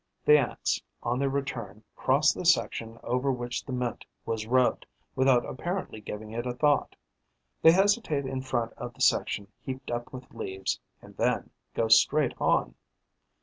The Ants, on their return, cross the section over which the mint was rubbed without apparently giving it a thought; they hesitate in front of the section heaped up with leaves and then go straight on.